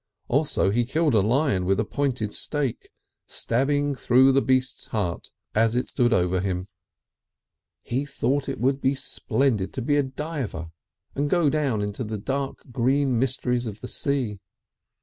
Also he killed a lion with a pointed stake, stabbing through the beast's heart as it stood over him. He thought it would be splendid to be a diver and go down into the dark green mysteries of the sea.